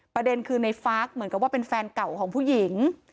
ประเด็นคือในฟาร์กเหมือนกับว่าเป็นแฟนเก่าของผู้หญิง